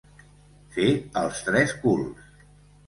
Fer els tres culs.